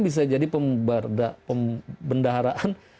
bisa jadi pembendaharaan